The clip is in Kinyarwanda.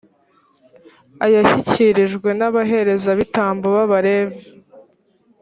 ayashyikirijwe n’abaherezabitambo b’abalevi.